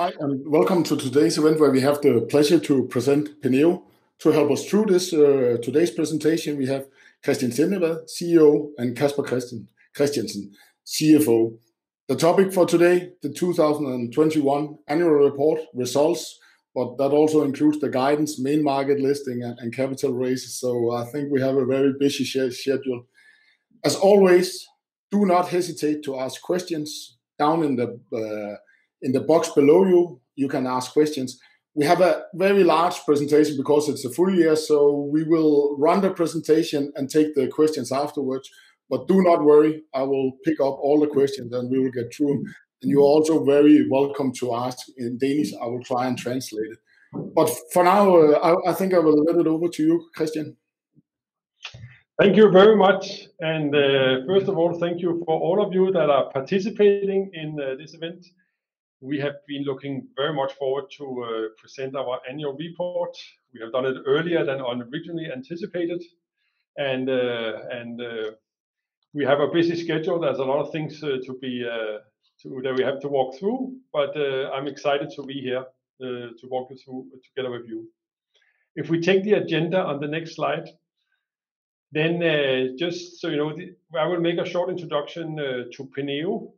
Hi, and welcome to today's event, where we have the pleasure to present Penneo. To help us through this, today's presentation, we have Christian Stendevad, CEO, and Casper Christiansen, CFO. The topic for today, the 2021 annual report results, but that also includes the guidance, main market listing and capital raise. I think we have a very busy schedule. As always, do not hesitate to ask questions down in the box below you. You can ask questions. We have a very large presentation because it's a full year, so we will run the presentation and take the questions afterwards. But do not worry, I will pick up all the questions, and we will get through. You're also very welcome to ask in Danish. I will try and translate it. I think I will hand it over to you, Christian. Thank you very much. First of all, thank you for all of you that are participating in this event. We have been looking very much forward to present our annual report. We have done it earlier than originally anticipated, and we have a busy schedule. There's a lot of things that we have to walk through, but I'm excited to be here to walk you through together with you. If we take the agenda on the next slide, then just so you know, I will make a short introduction to Penneo,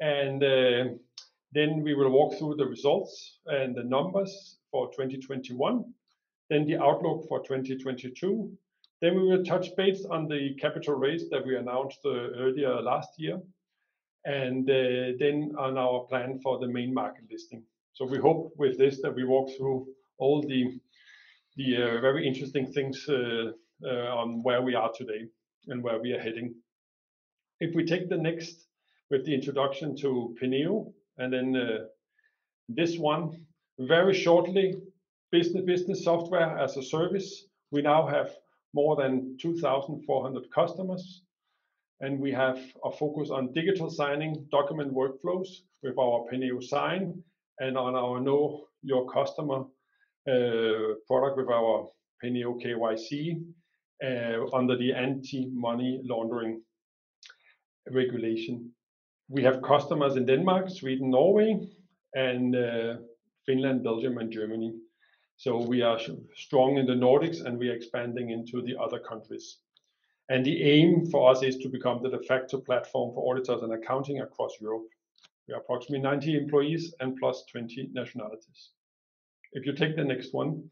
and then we will walk through the results and the numbers for 2021, then the outlook for 2022. We will touch base on the capital raise that we announced, earlier last year, and then on our plan for the main market listing. We hope with this that we walk through all the very interesting things on where we are today and where we are heading. If we take the next with the introduction to Penneo, and then this one, very shortly, business software as a service. We now have more than 2,400 customers, and we have a focus on digital signing, document workflows with our Penneo Sign and on our Know Your Customer product with our Penneo KYC under the anti-money laundering regulation. We have customers in Denmark, Sweden, Norway, and Finland, Belgium, and Germany. We are strong in the Nordics, and we are expanding into the other countries. The aim for us is to become the de facto platform for auditors and accounting across Europe. We are approximately 90 employees and +20 nationalities. If you take the next one.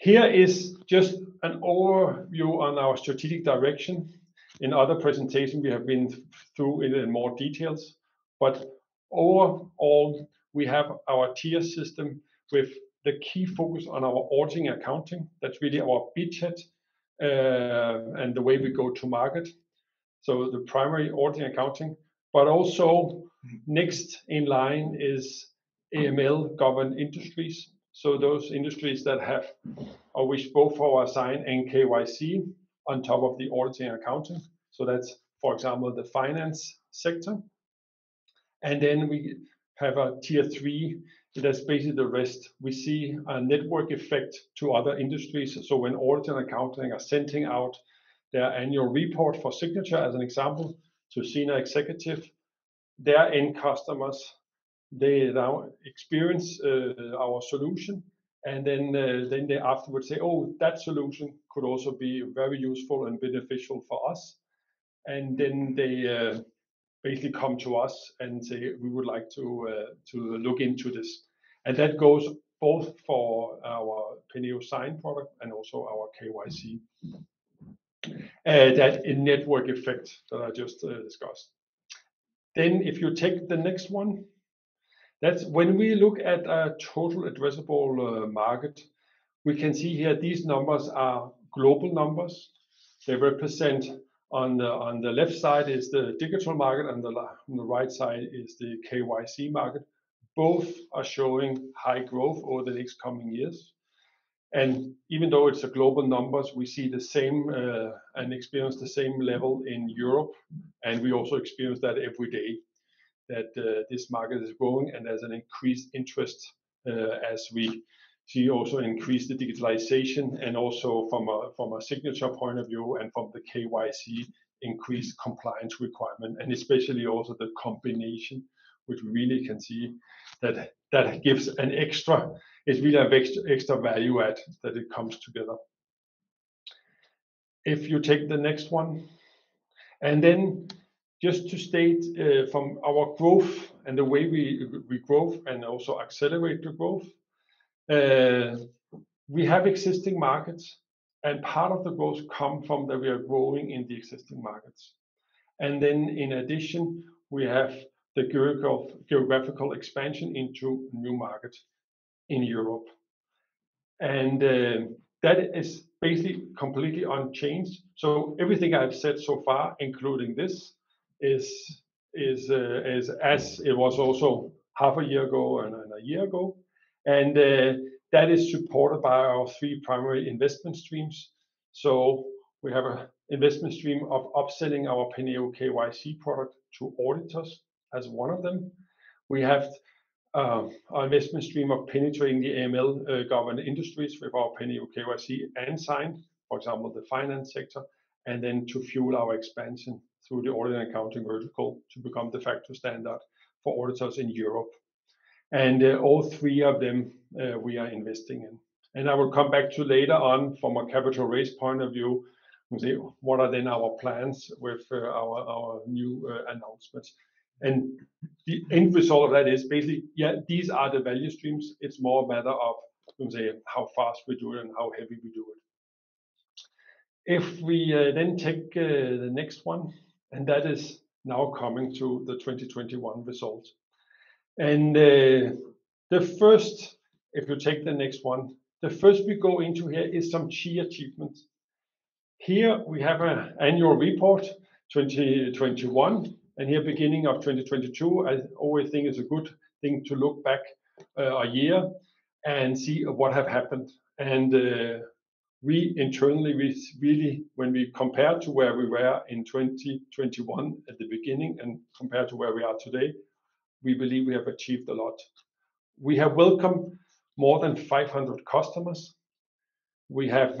Here is just an overview on our strategic direction. In other presentation, we have been through it in more details, but overall, we have our tier system with the key focus on our auditing accounting. That's really our beachhead, and the way we go to market. The primary auditing accounting, but also next in line is AML governed industries. Those industries that have or wish both for our Sign and KYC on top of the auditing accounting. That's, for example, the finance sector. Then we have a tier three. That's basically the rest. We see a network effect to other industries. When audit and accounting are sending out their annual report for signature, as an example, to senior executive, their end customers, they now experience our solution, and then they afterwards say, "Oh, that solution could also be very useful and beneficial for us." Then they basically come to us and say, "We would like to look into this." That goes both for our Penneo Sign product and also our KYC. That network effect that I just discussed. If you take the next one, that's when we look at our total addressable market. We can see here these numbers are global numbers. They represent on the left side is the digital market, and on the right side is the KYC market. Both are showing high growth over the next coming years. Even though it's a global numbers, we see the same, and experience the same level in Europe. We also experience that every day that this market is growing and there's an increased interest, as we see also increase the digitalization and also from a, from a signature point of view and from the KYC increased compliance requirement, and especially also the combination, which we really can see that gives an extra. It's really a extra value add that it comes together. If you take the next one. Then just to state, from our growth and the way we growth and also accelerate the growth, we have existing markets, and part of the growth come from that we are growing in the existing markets. Then in addition, we have the geographical expansion into new markets in Europe. That is basically completely unchanged. Everything I've said so far, including this, is as it was also half a year ago and a year ago. That is supported by our three primary investment streams. We have a investment stream of upselling our Penneo KYC product to auditors as one of them. We have our investment stream of penetrating the AML governed industries with our Penneo KYC and Sign, for example, the finance sector, and then to fuel our expansion through the audit and accounting vertical to become the de facto standard for auditors in Europe. All three of them we are investing in. I will come back to later on from a capital raise point of view and say what are then our plans with our new announcements. The end result of that is basically, yeah, these are the value streams. It's more a matter of, you can say, how fast we do it and how heavy we do it. If we then take the next one, and that is now coming to the 2021 results. If you take the next one, the first we go into here is some key achievements. Here we have an annual report, 2021, and here beginning of 2022. I always think it's a good thing to look back a year and see what have happened. We internally really when we compare to where we were in 2021 at the beginning and compare to where we are today, we believe we have achieved a lot. We have welcomed more than 500 customers. We have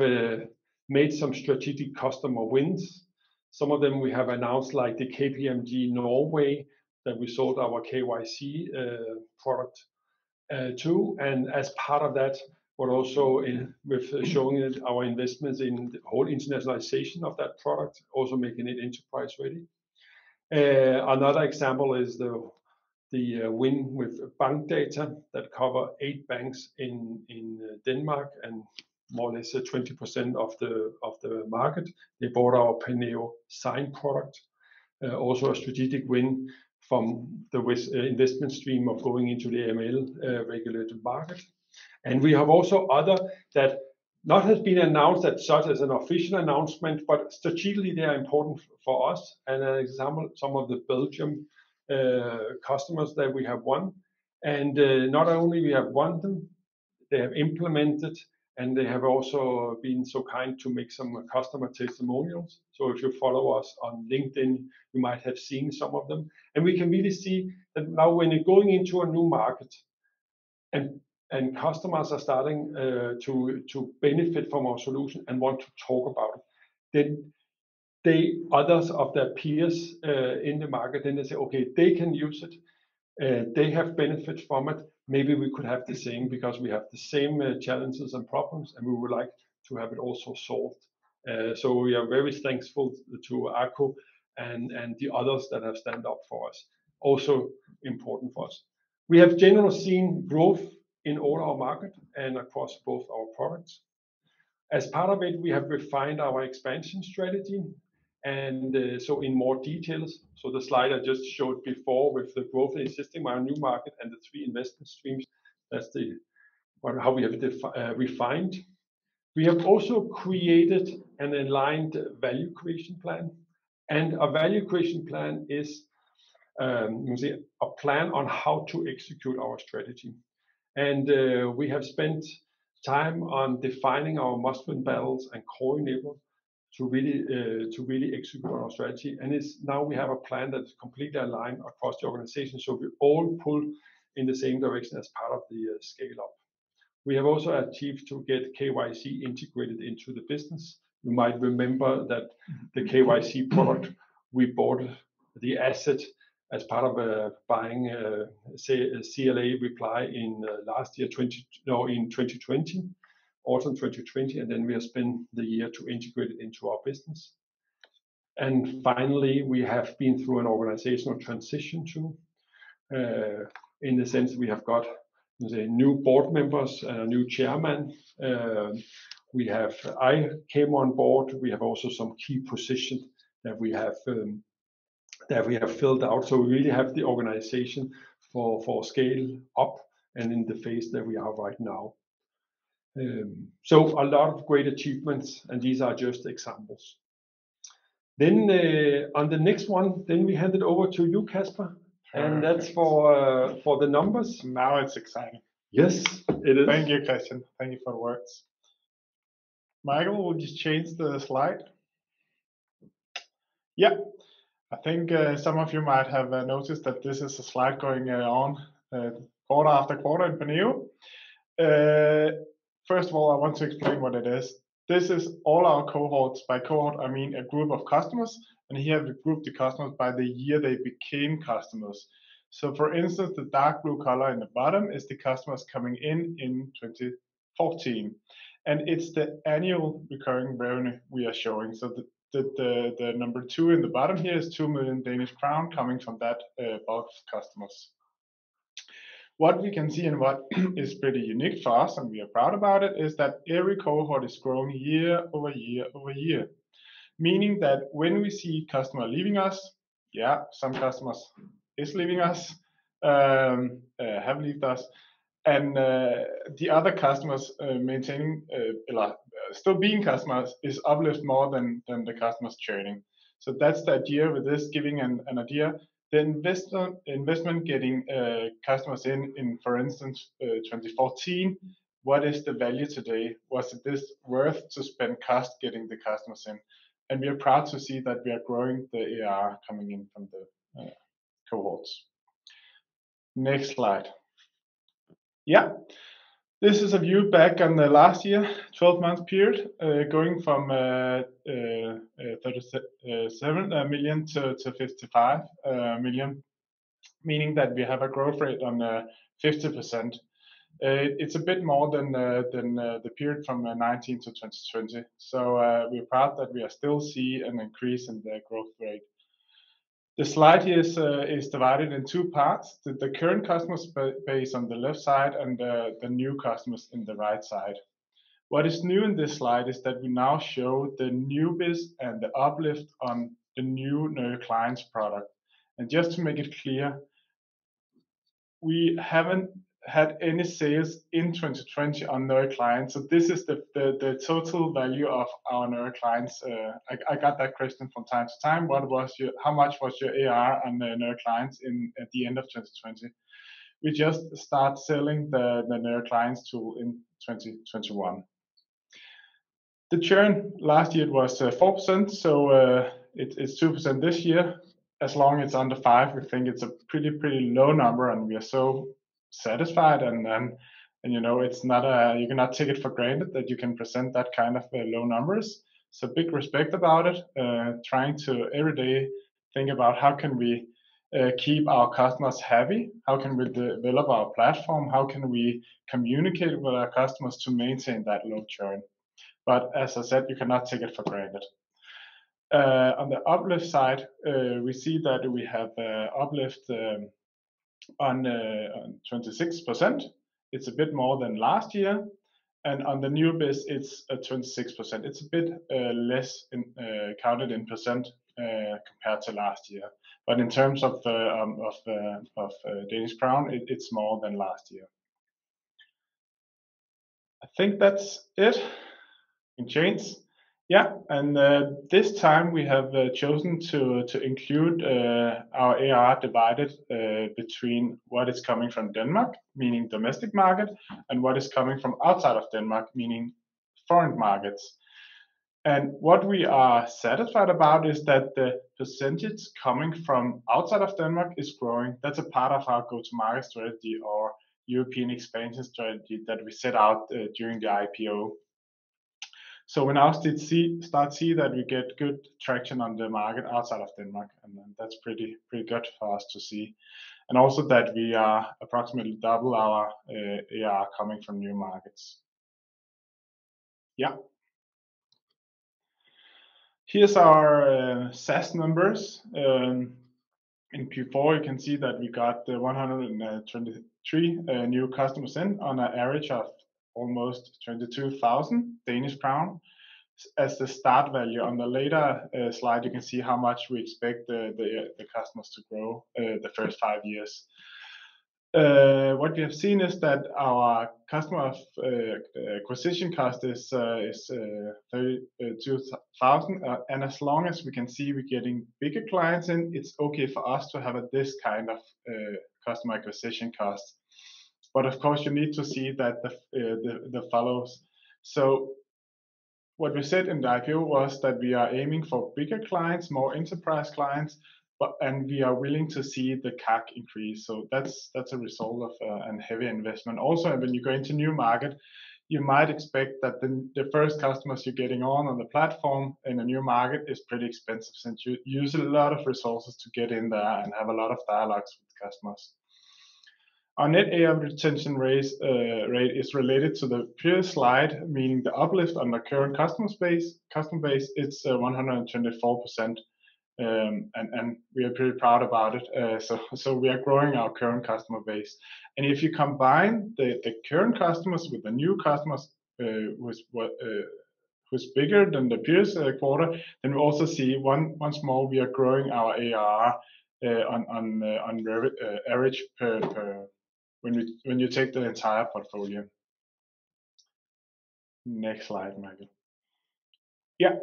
made some strategic customer wins. Some of them we have announced, like the KPMG Norway, that we sold our KYC product to. As part of that, we're also investing in the whole internationalization of that product, also making it enterprise-ready. Another example is the win with Bankdata that cover eight banks in Denmark and more or less 20% of the market. They bought our Penneo Sign product. Also a strategic win from this investment stream of going into the AML regulated market. We have also other that not has been announced as such as an official announcement, but strategically they are important for us and an example, some of the Belgian customers that we have won. Not only we have won them, they have implemented, and they have also been so kind to make some customer testimonials. If you follow us on LinkedIn, you might have seen some of them. We can really see that now when you're going into a new market and customers are starting to benefit from our solution and want to talk about it, then others of their peers in the market say, "Okay, they can use it. They have benefit from it. Maybe we could have the same because we have the same challenges and problems, and we would like to have it also solved." We are very thankful to AKO and the others that have stood up for us. Also important for us. We have generally seen growth in all our market and across both our products. As part of it, we have refined our expansion strategy and in more details. The slide I just showed before with the growth in existing market, new market and the three investment streams, that's how we have refined. We have also created an aligned value creation plan, and a value creation plan is, you can say, a plan on how to execute our strategy. We have spent time on defining our must-win battles and core enablers to really execute on our strategy. It's now we have a plan that is completely aligned across the organization, so we all pull in the same direction as part of the scale-up. We have also achieved to get KYC integrated into the business. You might remember that the KYC product we bought the asset as part of buying CLA Reply in last year, twenty... no, in 2020, autumn 2020, and then we have spent the year to integrate it into our business. Finally, we have been through an organizational transition, too. In the sense we have got, you can say, new board members, a new chairman. I came on board. We have also some key positions that we have filled out. We really have the organization for scale up and in the phase that we are right now. A lot of great achievements, and these are just examples. On the next one, we hand it over to you, Casper. Perfect. That's for the numbers. Now it's exciting. Yes, it is. Thank you, Christian. Thank you for the words. Michael, would you change the slide? Yeah. I think, some of you might have, noticed that this is a slide going on quarter after quarter in Penneo. First of all, I want to explain what it is. This is all our cohorts. By cohort, I mean a group of customers, and here we group the customers by the year they became customers. For instance, the dark blue color in the bottom is the customers coming in in 2014. It's the annual recurring revenue we are showing. The number two in the bottom here is 2 million Danish crown coming from that bulk of customers. What we can see and what is pretty unique for us, and we are proud about it, is that every cohort is growing year over year. Meaning that when we see customer leaving us, yeah, some customers have left us and the other customers maintaining still being customers is uplift more than the customers churning. That's the idea with this, giving an idea. The investment getting customers in, for instance, 2014, what is the value today? Was this worth to spend cost getting the customers in? We are proud to see that we are growing the AR coming in from the cohorts. Next slide. Yeah. This is a view back on the last year, 12-month period, going from 37 million to 55 million, meaning that we have a growth rate on 50%. It's a bit more than the period from 2019 to 2020. We're proud that we are still see an increase in the growth rate. The slide here is divided in two parts. The current customers based on the left side and the new customers in the right side. What is new in this slide is that we now show the new biz and the uplift on the new Penneo KYC product. Just to make it clear, we haven't had any sales in 2020 on Penneo KYC. This is the total value of our Penneo KYC. I got that question from time to time. What was your... How much was your ARR on the Penneo KYC in, at the end of 2020? We just start selling the Penneo KYC tool in 2021. The churn last year was 4%, so it is 2% this year. As long it's under 5%, we think it's a pretty low number, and we are so satisfied and you know, you cannot take it for granted that you can present that kind of a low numbers. So big respect about it. Trying to every day think about how can we keep our customers happy, how can we develop our platform, how can we communicate with our customers to maintain that low churn. As I said, you cannot take it for granted. On the uplift side, we see that we have a uplift on 26%. It's a bit more than last year. On the new biz, it's 26%. It's a bit less, if counted in percent, compared to last year. In terms of the Danish krone, it's more than last year. I think that's it on churns. Yeah. This time we have chosen to include our AR divided between what is coming from Denmark, meaning domestic market, and what is coming from outside of Denmark, meaning foreign markets. What we are satisfied about is that the percentage coming from outside of Denmark is growing. That's a part of our go-to-market strategy or European expansion strategy that we set out during the IPO. We now start to see that we get good traction on the market outside of Denmark, and then that's pretty good for us to see. Also that we are approximately double our AR coming from new markets. Yeah. Here's our SaaS numbers. In Q4, you can see that we got 123 new customers in on an average of almost 22,000 Danish crown. As the start value on the later slide, you can see how much we expect the customers to grow the first five years. What we have seen is that our customer acquisition cost is 32,000. As long as we can see we're getting bigger clients in, it's okay for us to have it this kind of customer acquisition cost. Of course, you need to see that it follows. What we said in the IPO was that we are aiming for bigger clients, more enterprise clients, and we are willing to see the CAC increase. That's a result of a heavy investment. Also, when you go into new market, you might expect that the first customers you're getting on the platform in a new market is pretty expensive since you use a lot of resources to get in there and have a lot of dialogues with customers. Our net ARR retention rate is related to the pure slide, meaning the uplift on the current customer base, it's 124%. And we are pretty proud about it. So we are growing our current customer base. If you combine the current customers with the new customers bigger than the previous quarter, then we also see once more we are growing our ARR on average per when you take the entire portfolio. Next slide, Michael. Yeah.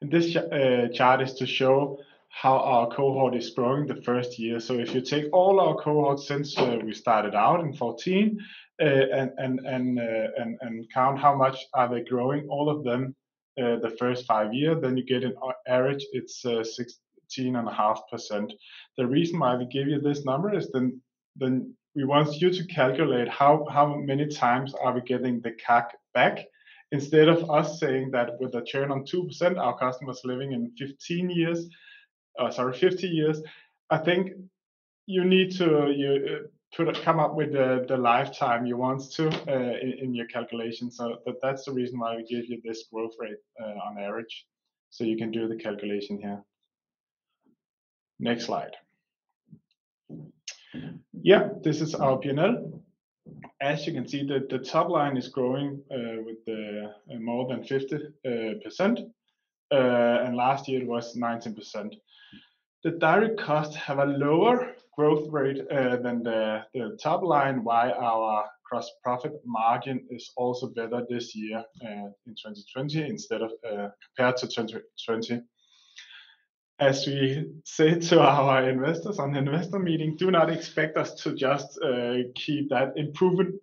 This chart is to show how our cohort is growing the first year. If you take all our cohorts since we started out in 2014 and count how much are they growing, all of them, the first five year, then you get an average. It's 16.5%. The reason why we give you this number is, then we want you to calculate how many times are we getting the CAC back, instead of us saying that with a churn on 2%, our customers living in 15 years, sorry, 50 years. I think you need to come up with the lifetime you want to in your calculation. That's the reason why we give you this growth rate on average, so you can do the calculation here. Next slide. Yeah. This is our P&L. As you can see, the top line is growing with more than 50%, and last year it was 19%. The direct costs have a lower growth rate than the top line, whereby our gross profit margin is also better this year in 2020 compared to 2019. As we said to our investors on the investor meeting, do not expect us to just keep that improvement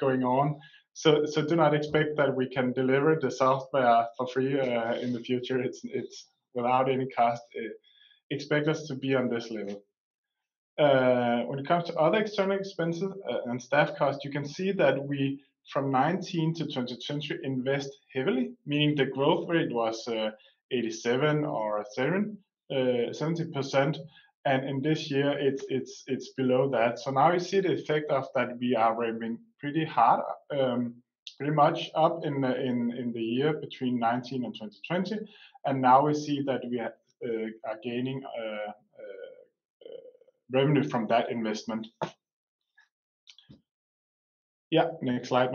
going on. Do not expect that we can deliver the software for free in the future. It's without any cost. Expect us to be on this level. When it comes to other external expenses and staff costs, you can see that we from 2019 to 2020 invest heavily, meaning the growth rate was 87% or 70%. In this year, it's below that. Now you see the effect of that we are working pretty hard, pretty much up in the year between 2019 and 2020, and now we see that we are gaining revenue from that investment. Yeah, next slide,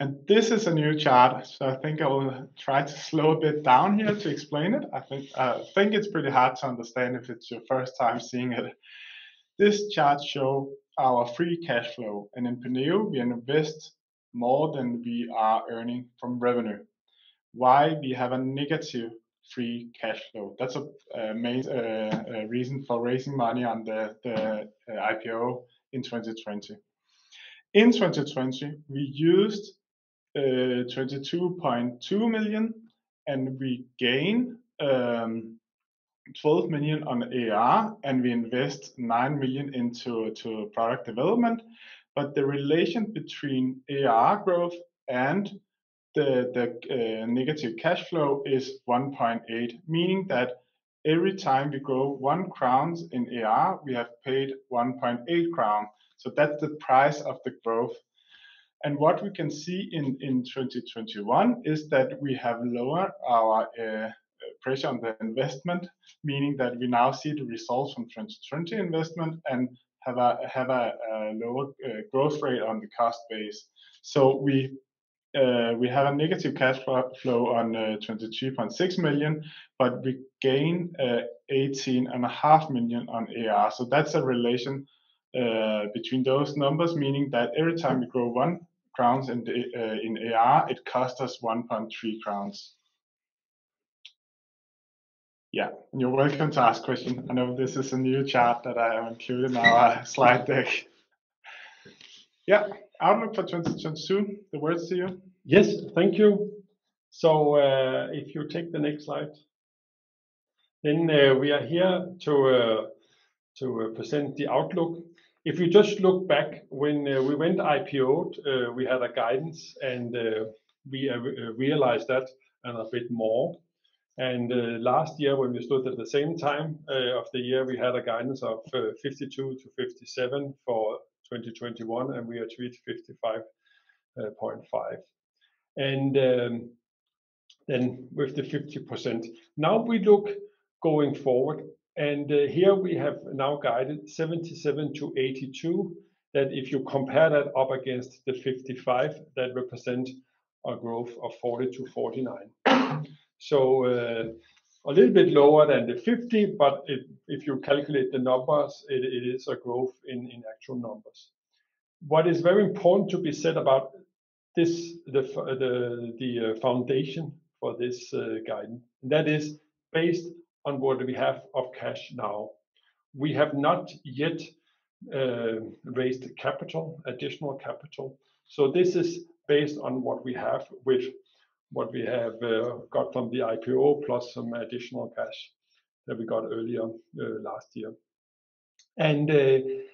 Maggie. This is a new chart, so I think I will try to slow a bit down here to explain it. I think it's pretty hard to understand if it's your first time seeing it. This chart show our free cash flow, and in Penneo we invest more than we are earning from revenue. Why? We have a negative free cash flow. That's a main reason for raising money on the IPO in 2020. In 2020, we used 22.2 million, and we gain 12 million on AR, and we invest 9 million into product development. The relation between AR growth and the negative cash flow is 1.8, meaning that every time we grow 1 crown in AR, we have paid 1.8 crown. That's the price of the growth. What we can see in 2021 is that we have lowered our pressure on the investment, meaning that we now see the results from 2020 investment and have a lower growth rate on the cost base. We have a negative cash flow of 22.6 million, but we gain 18.5 million on AR. That's a relation between those numbers, meaning that every time we grow 1 crown in the ARR, it costs us 1.3 crowns. Yeah, and you're welcome to ask questions. I know this is a new chart that I have included in our slide deck. Yeah. Outlook for 2022. The words to you. Yes. Thank you. If you take the next slide, then we are here to present the outlook. If you just look back when we went IPO, we had a guidance and we realized that and a bit more. Last year when we stood at the same time of the year, we had a guidance of 52-57 for 2021, and we achieved 55.5. Then with the 50%. Now we look going forward, here we have guided 77-82, that if you compare that up against the 55, that represent a growth of 40%-49%. A little bit lower than the 50, but if you calculate the numbers, it is a growth in actual numbers. What is very important to be said about this, the foundation for this guidance, that is based on what we have of cash now. We have not yet raised the capital, additional capital. This is based on what we have, which we have got from the IPO plus some additional cash that we got earlier last year. That's the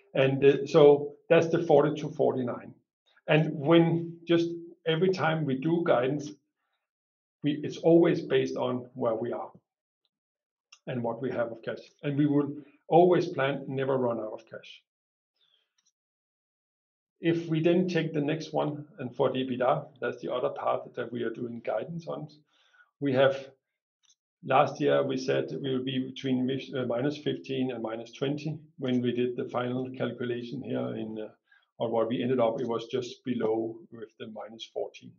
40%-49%. When just every time we do guidance, it's always based on where we are and what we have of cash, and we will always plan never run out of cash. If we then take the next one and for the EBITDA, that's the other part that we are doing guidance on. Last year, we said we'll be between -15 and -20 when we did the final calculation here in, or what we ended up, it was just below with the -14.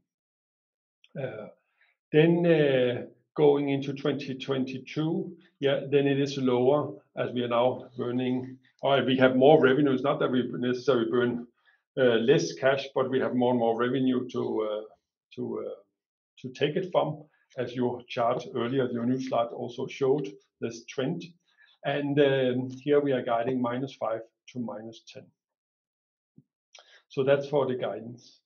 Then, going into 2022, yeah, then it is lower as we are now burning or we have more revenues, not that we necessarily burn less cash, but we have more and more revenue to take it from as your chart earlier, your new slide also showed this trend. Here we are guiding -5%-10%. That's for the guidance.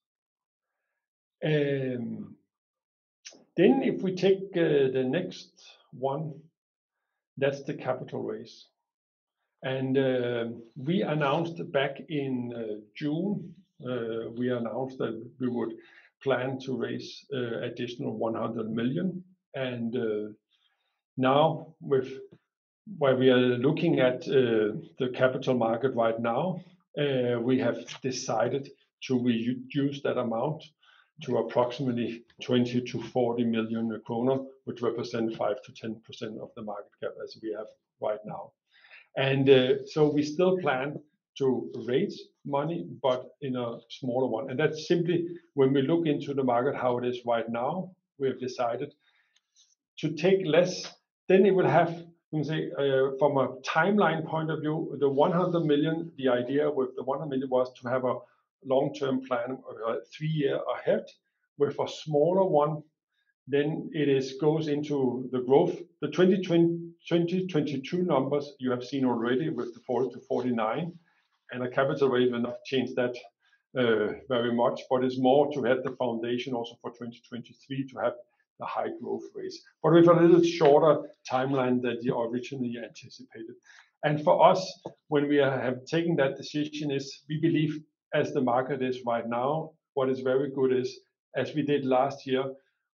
If we take the next one, that's the capital raise. We announced back in June that we would plan to raise additional 100 million. Now with where we are looking at the capital market right now, we have decided to reduce that amount to approximately 20 million-40 million kroner, which represent 5%-10% of the market cap as we have right now. We still plan to raise money, but in a smaller one. That's simply when we look into the market how it is right now, we have decided to take less. It will have, you can say, from a timeline point of view, the 100 million. The idea with the 100 million was to have a long-term plan of three years ahead with a smaller one than it is goes into the growth. The 2022 numbers you have seen already with the 40%-49% and a capital raise will not change that very much. It's more to have the foundation also for 2023 to have the high growth rates, but with a little shorter timeline that you originally anticipated. For us, when we have taken that decision is we believe as the market is right now, what is very good is, as we did last year,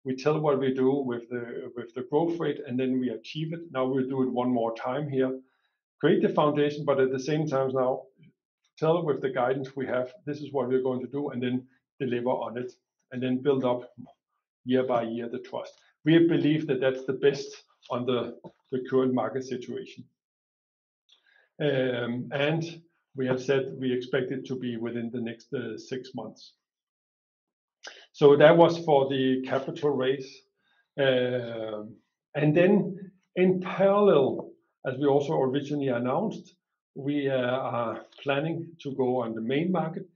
we tell what we do with the growth rate, and then we achieve it. Now we'll do it one more time here, create the foundation, but at the same time now tell with the guidance we have, this is what we're going to do and then deliver on it and then build up year by year the trust. We believe that that's the best under the current market situation. We have said we expect it to be within the next six months. That was for the capital raise. In parallel, as we also originally announced, we are planning to go on the main market.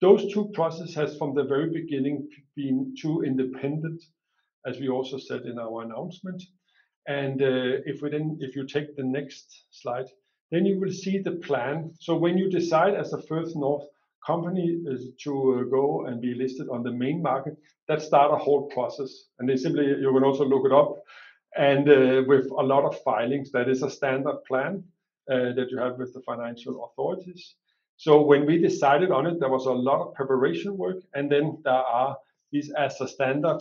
Those two processes from the very beginning could be two independent, as we also said in our announcement. If you take the next slide, then you will see the plan. When you decide as a Nasdaq First North company is to go and be listed on the main market, that starts a whole process and then simply you can also look it up and with a lot of filings, that is a standard plan that you have with the financial authorities. When we decided on it, there was a lot of preparation work and then there are these as a standard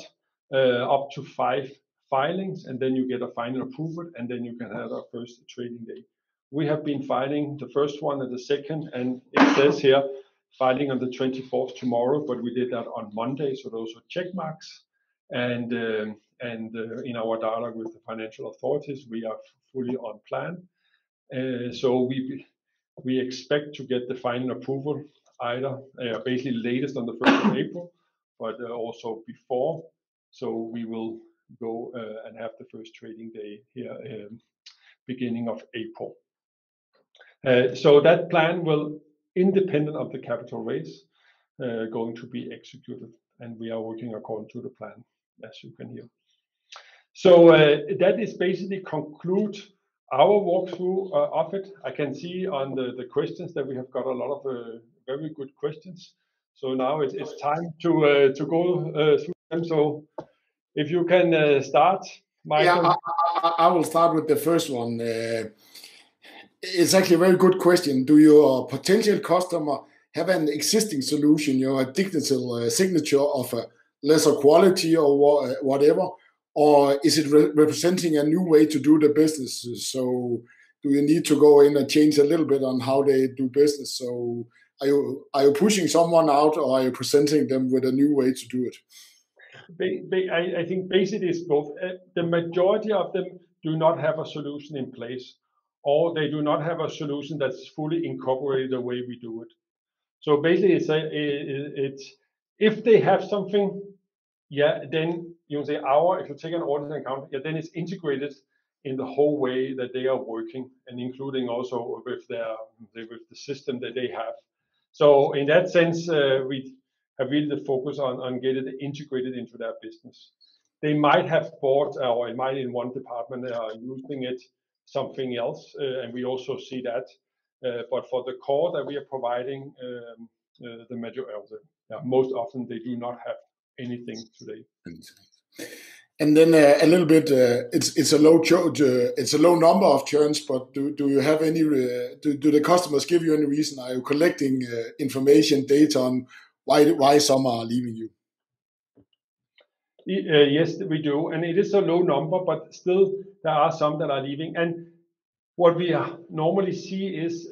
up to five filings, and then you get a final approval, and then you can have a first trading day. We have been filing the first one and the second, and it says here, filing on the 24th tomorrow. We did that on Monday. Those are check marks. In our dialogue with the financial authorities, we are fully on plan. We expect to get the final approval either basically latest on the first of April but also before. We will go and have the first trading day here in beginning of April. That plan will independent of the capital raise going to be executed and we are working according to the plan as you can hear. That is basically conclude our walkthrough of it. I can see on the questions that we have got a lot of very good questions. Now it's time to go through them. If you can start, Michael. Yeah. I will start with the first one. It's actually a very good question. Do your potential customer have an existing solution, you know, a digital signature of a lesser quality or whatever, or is it representing a new way to do the business? Do you need to go in and change a little bit on how they do business? Are you pushing someone out or are you presenting them with a new way to do it? I think basically it's both. The majority of them do not have a solution in place, or they do not have a solution that's fully incorporated the way we do it. Basically it's if they have something, yeah, then you can say if you take an auditing account, yeah, then it's integrated in the whole way that they are working and including also with the system that they have. In that sense, we have really the focus on getting it integrated into their business. They might have bought or it might in one department are using it something else, and we also see that. But for the core that we are providing, the majority of them, yeah, most often they do not have anything today. A little bit, it's a low churn, it's a low number of churns, but do you have any? Do the customers give you any reason? Are you collecting information data on why some are leaving you? Yes, we do. It is a low number, but still there are some that are leaving. What we normally see is,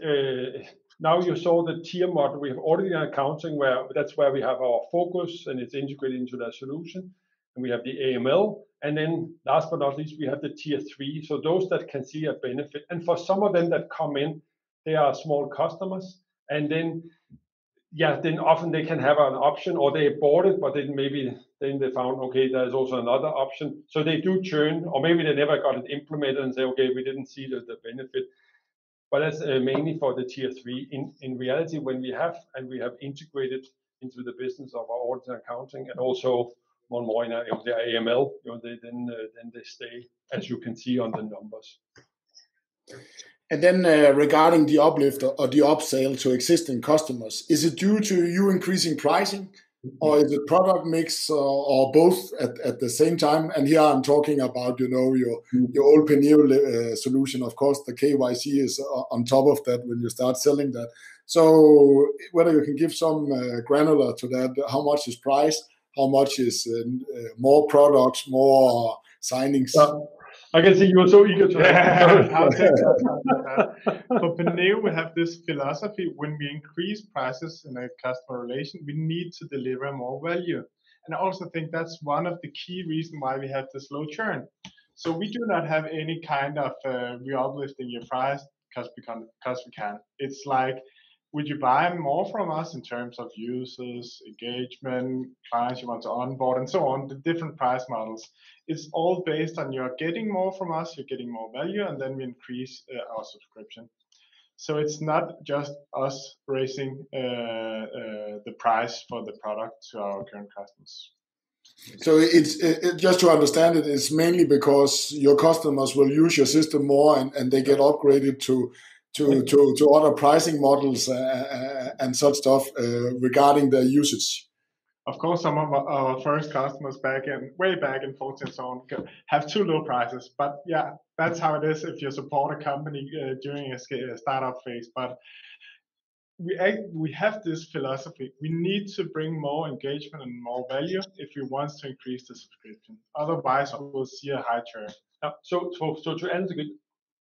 now you saw the tier model. We have auditing and accounting where that's where we have our focus and it's integrated into that solution. We have the AML. Last but not least, we have the tier three. Those that can see a benefit and for some of them that come in, they are small customers. Yeah, often they can have an option or they bought it but then maybe they found, okay, there's also another option. They do churn or maybe they never got it implemented and say, okay, we didn't see the benefit, but that's mainly for the tier three. In reality, when we have integrated into the business of our auditing, accounting and also one more, now if they are AML, you know, they then stay as you can see on the numbers. Regarding the uplift or the up-sale to existing customers, is it due to you increasing pricing or is it product mix or both at the same time? Here I'm talking about, you know, your old Penneo solution. Of course the KYC is on top of that when you start selling that. Whether you can give some granular to that, how much is price, how much is more products, more signings? For Penneo we have this philosophy when we increase prices in a customer relation, we need to deliver more value. I also think that's one of the key reason why we have this low churn. We do not have any kind of, we are uplifting your price because we can. It's like, would you buy more from us in terms of users, engagement, clients you want to onboard and so on, the different price models. It's all based on you're getting more from us, you're getting more value, and then we increase our subscription. It's not just us raising the price for the product to our current customers. It's just to understand it's mainly because your customers will use your system more and they get upgraded to other pricing models and such stuff regarding their usage. Of course, some of our first customers way back in 2014/2015 have too low prices. Yeah, that's how it is if you support a company during a startup phase. We have this philosophy. We need to bring more engagement and more value if you want to increase the subscription, otherwise we will see a high churn. To end the good,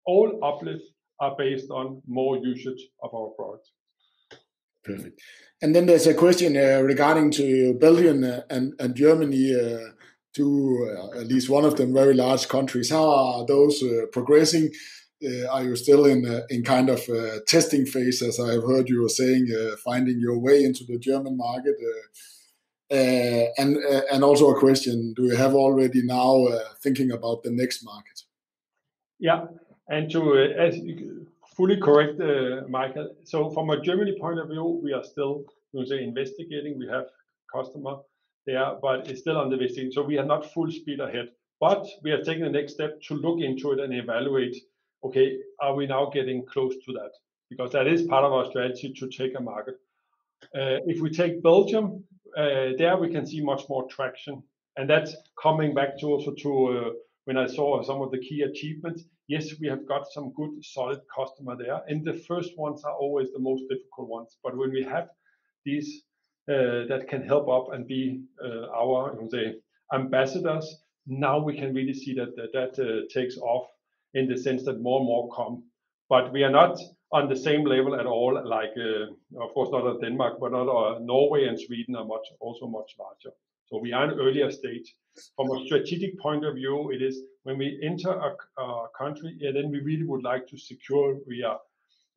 all uplifts are based on more usage of our product. Perfect. There's a question regarding to Belgium and Germany, at least one of them very large countries. How are those progressing? Are you still in kind of a testing phase, as I heard you were saying, finding your way into the German market? Also a question, do you have already now thinking about the next market? Fully correct, Michael. From a Germany point of view, we are still, you can say, investigating. We have customer there, but it's still under investing. We are not full speed ahead, but we are taking the next step to look into it and evaluate, okay, are we now getting close to that? Because that is part of our strategy to take a market. If we take Belgium, there we can see much more traction. That's coming back also to when I saw some of the key achievements. Yes, we have got some good solid customer there, and the first ones are always the most difficult ones. When we have these that can help us and be our, you can say, ambassadors, now we can really see that takes off in the sense that more and more come. We are not on the same level at all like, of course not in Denmark, but not Norway and Sweden are much larger also. We are an earlier stage. From a strategic point of view, it is when we enter a country and then we really would like to secure we have,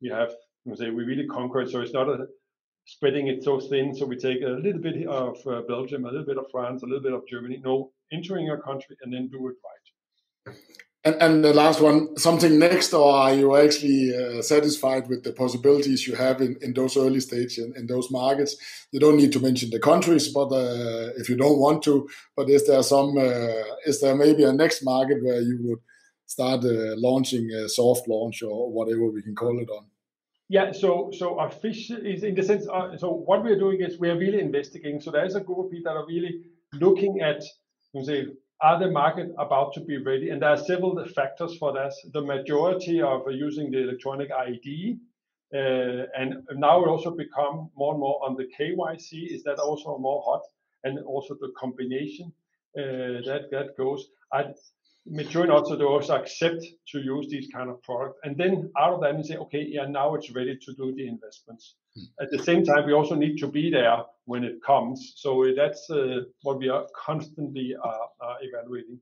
you can say, we really conquered. It's not spreading it so thin. We take a little bit of Belgium, a little bit of France, a little bit of Germany. No, entering a country and then do it right. The last one, something next or are you actually satisfied with the possibilities you have in those early stages, in those markets? You don't need to mention the countries, but if you don't want to. Is there maybe a next market where you would start launching a soft launch or whatever we can call it on? Officially, in the sense, what we are doing is we are really investigating. There's a group of people that are really looking at, you can say, is the market about to be ready? There are several factors for this. The majority are using the electronic ID, and now it also become more and more on the KYC. Is that also more hot? And also the combination that goes. Maturity also to accept to use these kind of product. And then out of that and say, okay, yeah, now it's ready to do the investments. At the same time, we also need to be there when it comes. That's what we are constantly are evaluating.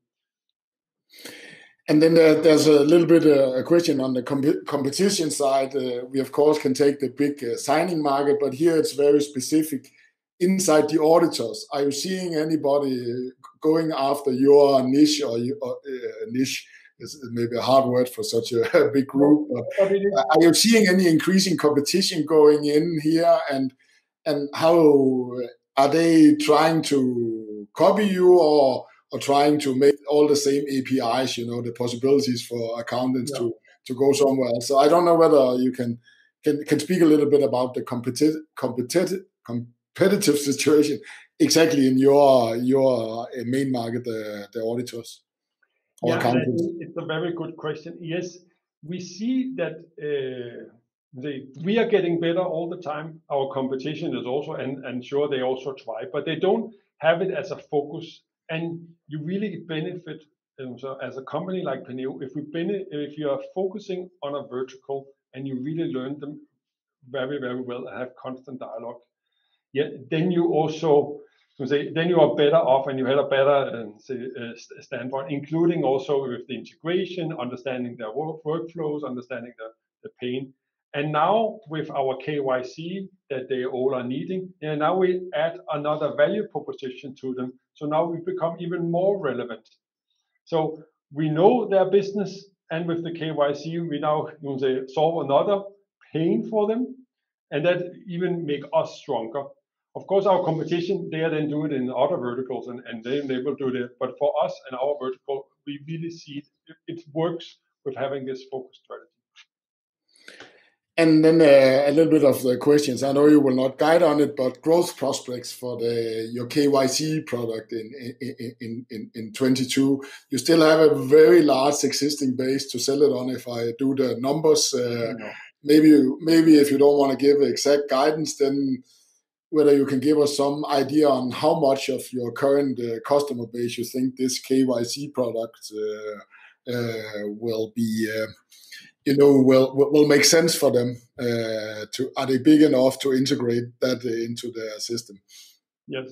There, there's a little bit a question on the competition side. We of course can take the big signing market, but here it's very specific inside the auditors. Are you seeing anybody going after your niche or your niche is maybe a hard word for such a big group? Are you seeing any increasing competition going in here and how are they trying to copy you or trying to make all the same APIs, you know, the possibilities for accountants to go somewhere else? I don't know whether you can speak a little bit about the competitive situation exactly in your main market, the auditors or accountants. Yeah. It's a very good question. Yes. We see that we are getting better all the time. Our competition is also, and, sure, they also try, but they don't have it as a focus and you really benefit. As a company like Penneo, if you are focusing on a vertical and you really learn them very, very well and have constant dialogue, yeah, then you also, you can say, then you are better off and you have a better say, standpoint, including also with the integration, understanding their workflows, understanding the pain. Now with our KYC that they all are needing, and now we add another value proposition to them. Now we've become even more relevant. We know their business and with the KYC, we now, you can say, solve another pain for them and that even make us stronger. Of course, our competition, they then do it in other verticals and then they will do that. For us and our vertical, we really see it works with having this focused strategy. A little bit of the questions. I know you will not guide on it, but growth prospects for your KYC product in 2022. You still have a very large existing base to sell it on, if I do the numbers. Mm-hmm. Maybe if you don't want to give exact guidance, then whether you can give us some idea on how much of your current customer base you think this KYC product you know will make sense for them, are they big enough to integrate that into their system? Yes.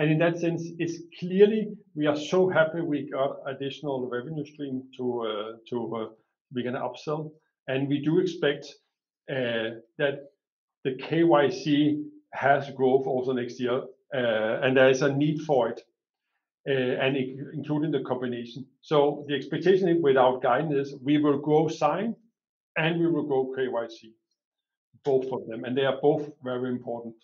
In that sense, it's clear we are so happy we got additional revenue stream that we can upsell. We do expect that the KYC has growth also next year, and there is a need for it, and including the combination. The expectation without guidance, we will grow Sign, and we will grow KYC, both of them. They are both very important.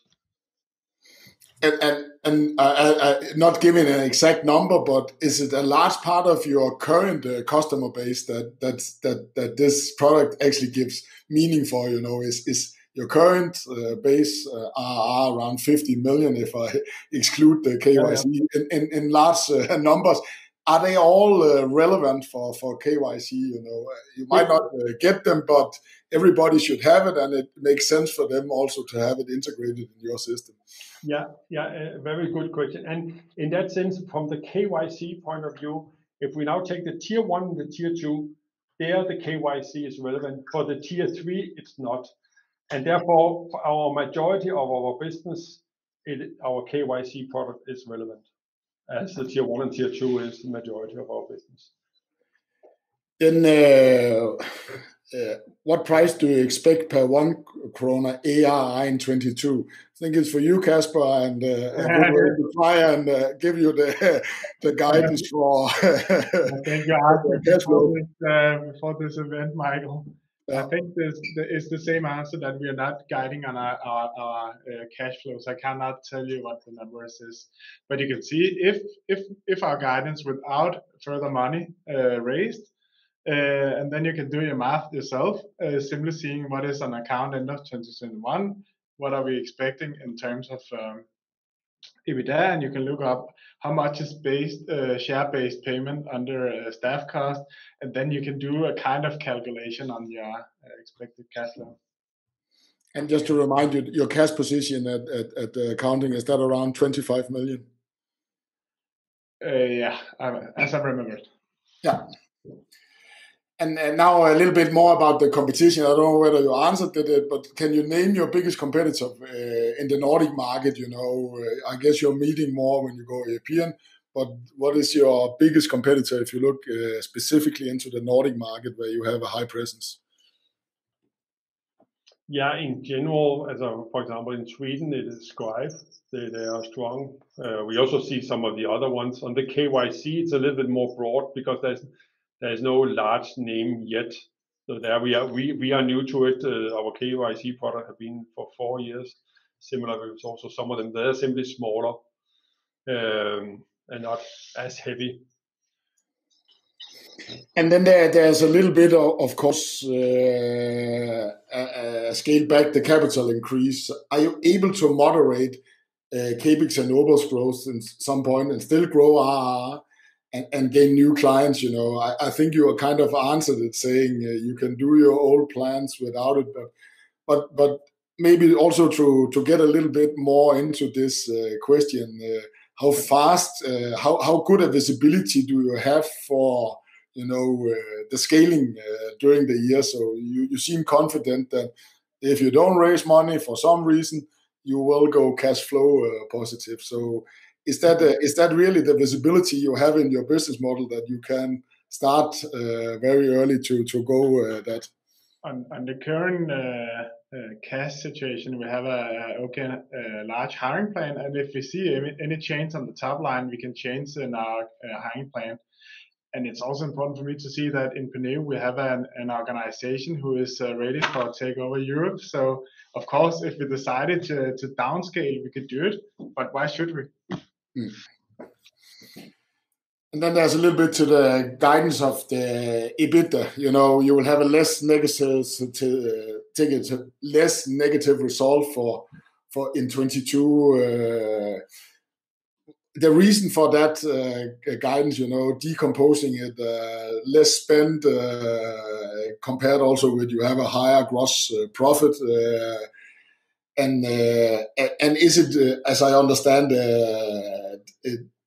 Not giving an exact number, but is it a large part of your current customer base that this product actually gives meaning for, you know? Is your current base ARR around 50 million, if I exclude the KYC? Yeah, yeah. In large numbers, are they all relevant for KYC, you know? Right. You might not get them, but everybody should have it, and it makes sense for them also to have it integrated in your system. Yeah. Yeah, a very good question. In that sense, from the KYC point of view, if we now take the tier one and the tier two, there the KYC is relevant. For the tier three, it's not, and therefore, for our majority of our business, it, our KYC product is relevant, as the tier one and tier two is the majority of our business. What price do you expect per one krone ARR in 2022? I think it's for you, Casper, and we will try and give you the guidance for Thank you. Cashflow. For this event, Michael. I think this is the same answer that we are not guiding on our cash flows. I cannot tell you what the numbers is. You can see if our guidance without further money raised, and then you can do your math yourself, simply seeing what is on account end of 2021, what are we expecting in terms of EBITDA, and you can look up how much is share-based payment under staff cost, and then you can do a kind of calculation on your expected cash flow. Just to remind you, your cash position at the accounting is that around 25 million? Yeah. As I remember it. Yeah, now a little bit more about the competition. I don't know whether you answered it, but can you name your biggest competitor in the Nordic market, you know? I guess you're meeting more when you go European, but what is your biggest competitor if you look specifically into the Nordic market where you have a high presence? Yeah. In general, for example, in Sweden, it is Scrive. They are strong. We also see some of the other ones. On the KYC, it's a little bit more broad because there's no large name yet. There we are, we are new to it. Our KYC product have been for four years, similarly with also some of them. They're simply smaller and not as heavy. Then there's a little bit of course, scale back the capital increase. Are you able to moderate CapEx and OPEX growth at some point and still grow ARR and gain new clients, you know? I think you kind of answered it saying you can do your old plans without it. But maybe also to get a little bit more into this question, how fast, how good a visibility do you have for, you know, the scaling during the year? You seem confident that if you don't raise money for some reason, you will go cash flow positive. Is that really the visibility you have in your business model that you can start very early to go that? On the current cash situation, we have a okay large hiring plan, and if we see any change on the top line, we can change in our hiring plan. It's also important for me to see that in Penneo we have an organization who is ready for take over Europe. Of course, if we decided to downscale, we could do it, but why should we? Then there's a little bit to the guidance of the EBITDA. You know, you will have a less negative result for 2022. The reason for that guidance, you know, decomposing it, less spend compared also with you have a higher gross profit. Is it, as I understand it,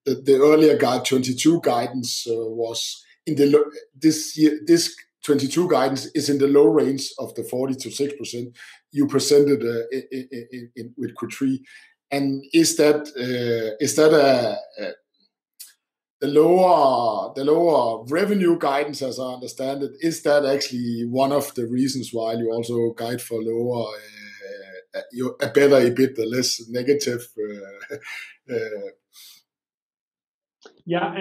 the earlier guide, 2022 guidance, was in the lo—this 2022 guidance is in the low range of the 40%-60% you presented in Q3. Is that the lower revenue guidance, as I understand it, is that actually one of the reasons why you also guide for lower, a better EBITDA, less negative? Yeah.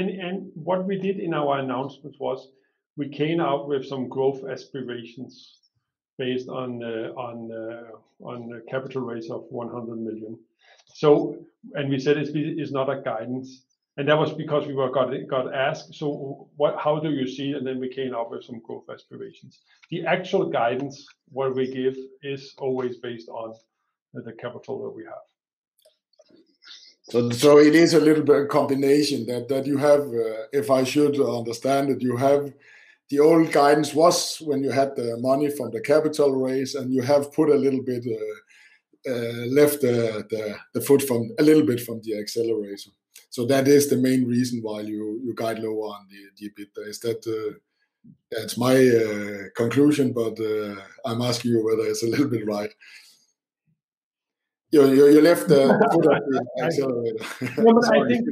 What we did in our announcement was we came out with some growth aspirations based on a capital raise of 100 million. We said it's not a guidance, and that was because we got asked, "So what, how do you see?" and then we came out with some growth aspirations. The actual guidance, what we give, is always based on the capital that we have. It is a little bit combination that you have, if I should understand it, you have the old guidance was when you had the money from the capital raise, and you have put a little bit, a little bit from the accelerator. That is the main reason why you guide lower on the EBITDA, is that-That's my conclusion, but, I'm asking you whether it's a little bit right? You left the foot off the accelerator. I think.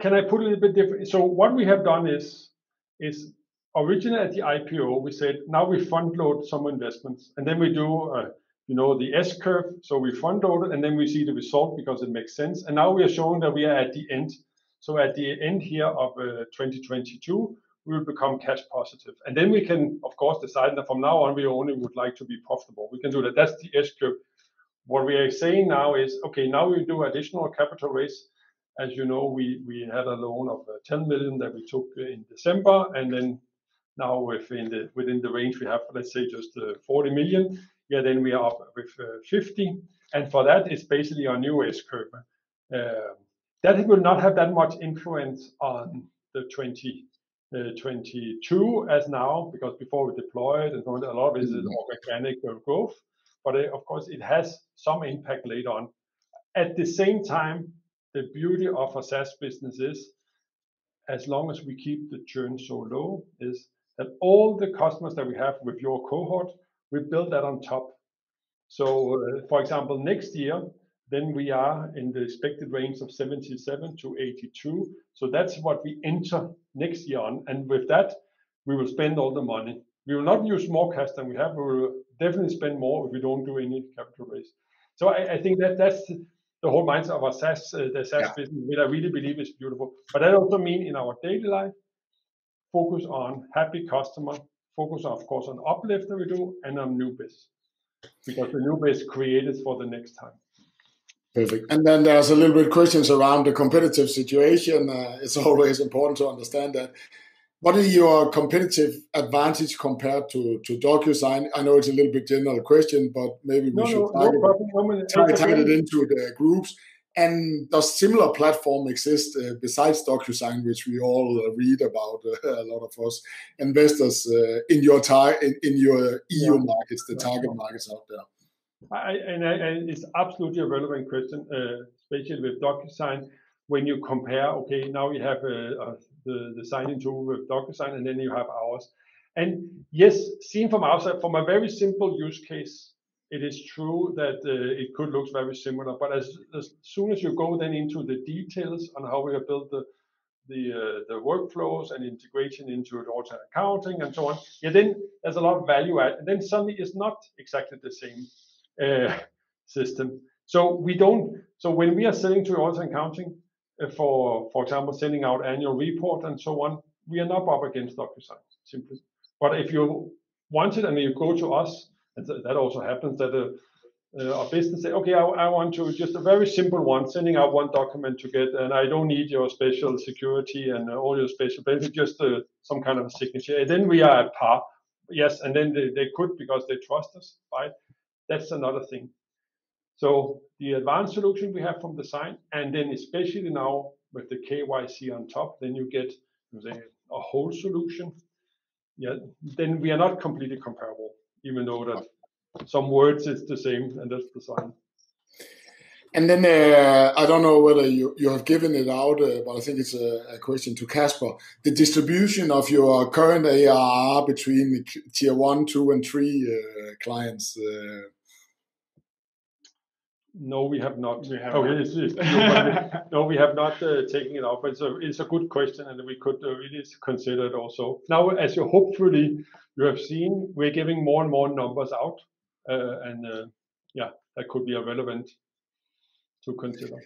Can I put it a little bit different? What we have done is originally at the IPO, we said, now we front load some investments, and then we do the S-curve. We front load it, and then we see the result because it makes sense. Now we are showing that we are at the end. At the end here of 2022, we will become cash positive, and then we can of course decide that from now on we only would like to be profitable. We can do that. That's the S-curve. What we are saying now is, okay, now we do additional capital raise. As you know, we had a loan of 10 million that we took in December, and then now within the range we have, let's say just forty million, yeah, then we are up with fifty. For that it's basically our new S-curve. That will not have that much influence on the 2022 as now, because before we deploy it and do a lot of business or organic growth. Of course it has some impact later on. At the same time, the beauty of a SaaS business is as long as we keep the churn so low is that all the customers that we have with your cohort, we build that on top. For example, next year then we are in the expected range of 77 million-82 million. That's what we enter next year on. With that, we will spend all the money. We will not use more cash than we have. We will definitely spend more if we don't do any capital raise. I think that that's the whole mindset of our SaaS, the SaaS business- Yeah. which I really believe is beautiful. That also mean in our daily life, focus on happy customer, focus of course on uplift that we do and on new biz, because the new biz create it for the next time. Perfect. Then there's a little bit questions around the competitive situation. It's always important to understand that. What is your competitive advantage compared to DocuSign? I know it's a little bit general question, but maybe we should- No, no problem. target it into the groups. Does a similar platform exist besides DocuSign, which we all read about, a lot of us investors, in your EU markets, the target markets out there? It's absolutely a relevant question, especially with DocuSign, when you compare. Okay, now you have the signing tool with DocuSign and then you have ours. Yes, seen from outside, from a very simple use case, it is true that it could look very similar, but as soon as you go then into the details on how we have built the workflows and integration into the auto accounting and so on. Yeah, then there's a lot of value add and then suddenly it's not exactly the same system. When we are selling to auto accounting, for example, sending out annual report and so on, we are not up against DocuSign, simply. If you want it and you go to us, and that also happens that a business says, "Okay, I want to just a very simple one, sending out one document to get, and I don't need your special security and all your special, but it's just some kind of a signature." We are at par. Yes, they could because they trust us, right? That's another thing. The advanced solution we have from design and then especially now with the KYC on top, then you get, you say, a whole solution. Yeah. We are not completely comparable, even though that some words it's the same, and that's the sign. I don't know whether you have given it out, but I think it's a question to Casper. The distribution of your current ARR between the tier one, two, and three clients. No, we have not. We have not. No, we have not taken it off. It's a good question, and we could really consider it also. Now, as you hopefully have seen, we're giving more and more numbers out. Yeah, that could be relevant to consider.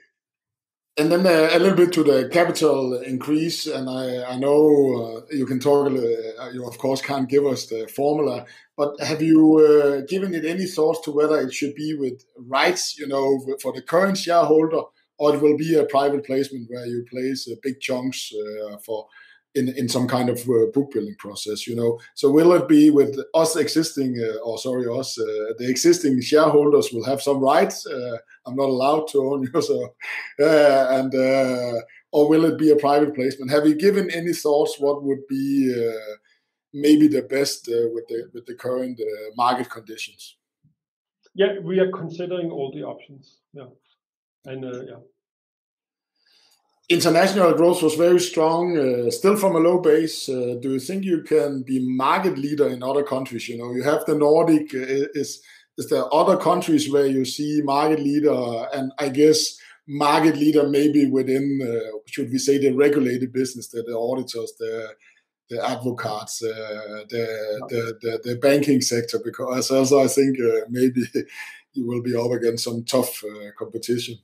A little bit to the capital increase, and I know you can talk. You of course can't give us the formula, but have you given it any thought to whether it should be with rights, you know, for the current shareholder or it will be a private placement where you place big chunks in some kind of book building process, you know? Will it be with the existing shareholders, or sorry, the existing shareholders will have some rights, I'm not allowed to own more, so or will it be a private placement? Have you given any thoughts what would be maybe the best with the current market conditions? Yeah, we are considering all the options. Yeah. Yeah. International growth was very strong, still from a low base. Do you think you can be market leader in other countries? You know, you have the Nordic. Is there other countries where you see market leader and I guess market leader maybe within, should we say the regulated business, the banking sector? Because also I think, maybe you will be up against some tough competition.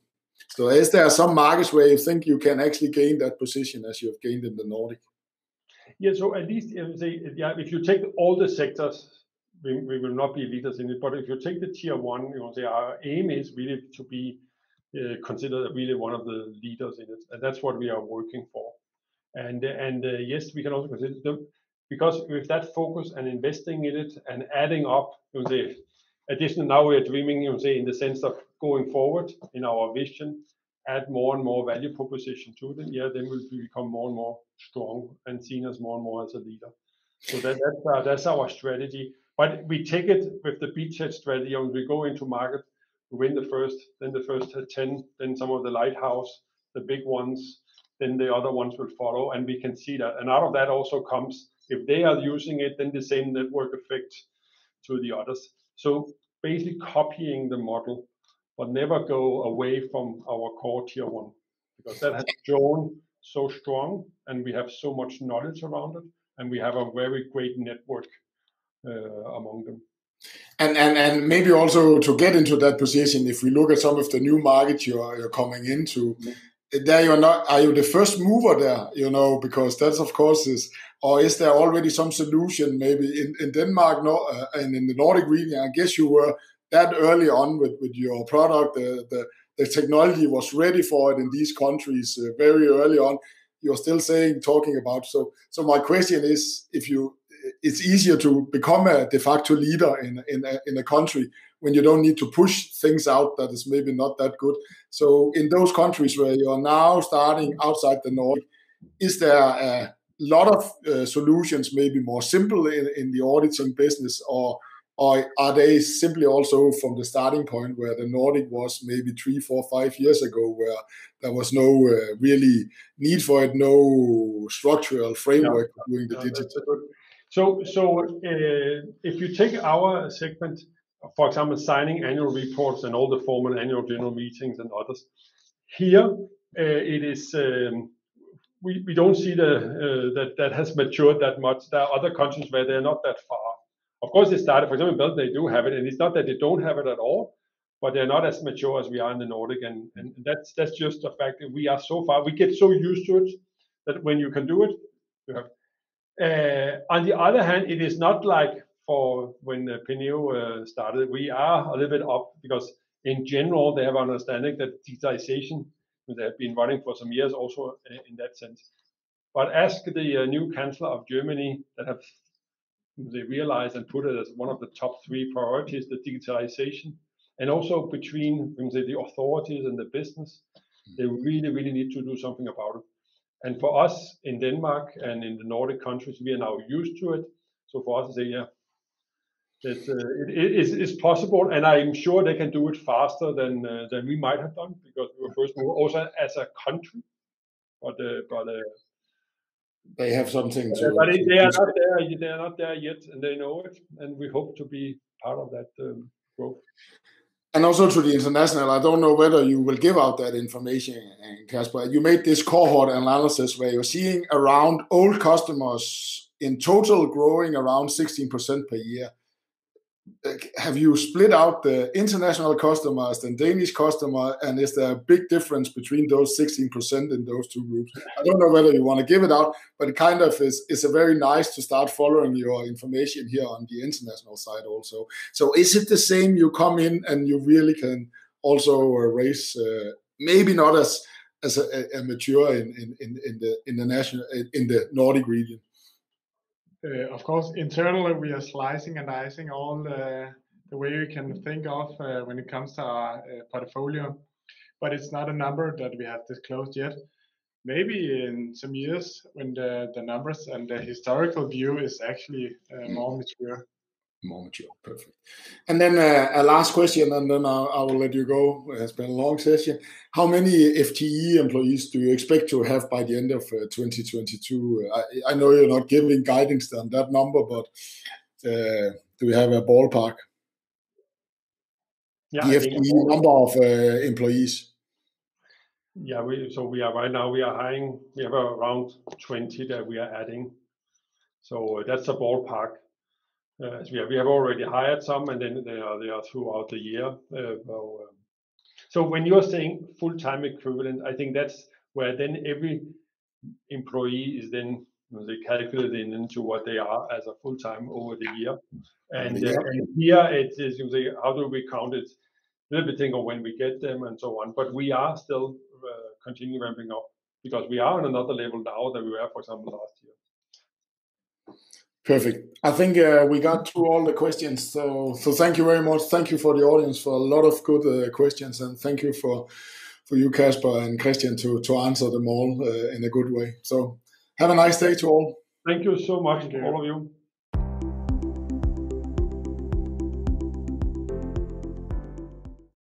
Is there some markets where you think you can actually gain that position as you have gained in the Nordic? Yeah. At least, let me say, yeah, if you take all the sectors, we will not be leaders in it. But if you take the tier one, you know, say our aim is really to be considered really one of the leaders in it. That's what we are working for. Yes, we can also consider them because with that focus and investing in it and adding up, you say, additional now we are dreaming, you say, in the sense of going forward in our vision, add more and more value proposition to them. Yeah, then we'll become more and more strong and seen as more and more as a leader. That, that's our strategy. We take it with the beachhead strategy and we go into market, win the first, then the first 10, then some of the lighthouse, the big ones, then the other ones will follow, and we can see that. Out of that also comes, if they are using it, then the same network effect to the others. Basically copying the model but never go away from our core tier one because that has grown so strong, and we have so much knowledge around it, and we have a very great network, among them. maybe also to get into that position, if we look at some of the new markets you're coming into. Mm. Are you the first mover there, you know, because that of course is. Is there already some solution maybe in Denmark and in the Nordic region? I guess you were that early on with your product. The technology was ready for it in these countries very early on. You're still talking about. My question is if it's easier to become a de facto leader in a country when you don't need to push things out that is maybe not that good. In those countries where you are now starting outside the North, is there a lot of solutions, maybe more simple in the audits and business or are they simply also from the starting point where the Nordic was maybe three, four, five years ago, where there was no really need for it, no structural framework? Yeah. Doing the digital? If you take our segment, for example, signing annual reports and all the formal annual general meetings and others, here it is, we don't see that it has matured that much. There are other countries where they are not that far. Of course, for example in Belgium, they have started. They do have it and it's not that they don't have it at all, but they're not as mature as we are in the Nordic and that's just a fact that we are so far. We get so used to it that when you can do it, you have. On the other hand, it is not like it was when Penneo started. We are a little bit up because in general they have understanding that digitalization. They have been running for some years also in that sense. Ask the new chancellor of Germany, they realized and put it as one of the top three priorities, the digitalization and also between, let me say, the authorities and the business. They really need to do something about it. For us in Denmark and in the Nordic countries, we are now used to it. For us to say, yeah, it is, it's possible and I'm sure they can do it faster than we might have done because we were first mover also as a country. They have something to They are not there. They are not there yet, and they know it. We hope to be part of that growth. Also to the international, I don't know whether you will give out that information, Casper. You made this cohort analysis where you're seeing our old customers in total growing around 16% per year. Have you split out the international customers, the Danish customers? And is there a big difference between those 16% in those two groups? I don't know whether you want to give it out, but it kind of is a very nice to start following your information here on the international side also. Is it the same, you come in and you really can also raise, maybe not as mature in the international in the Nordic region? Of course, internally we are slicing and dicing all the way you can think of when it comes to our portfolio. It's not a number that we have disclosed yet. Maybe in some years when the numbers and the historical view is actually more mature. More mature. Perfect. A last question and then I will let you go. It has been a long session. How many FTE employees do you expect to have by the end of 2022? I know you're not giving guidance on that number, but do we have a ballpark? Yeah, I mean. The FTE number of employees. Right now we are hiring. We have around 20 that we are adding. That's a ballpark. As we have already hired some and then they are throughout the year. When you are saying full-time equivalent, I think that's where every employee is, they calculate it into what they are as a full-time over the year. Yeah. Here it is, you say, how do we count it? Little bit thing of when we get them and so on. We are still continuing ramping up because we are on another level now than we were, for example, last year. Perfect. I think we got through all the questions. Thank you very much. Thank you for the audience for a lot of good questions and thank you for you, Casper and Christian to answer them all in a good way. Have a nice day to all. Thank you so much to all of you.